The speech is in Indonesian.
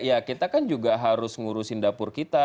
ya kita kan juga harus ngurusin dapur kita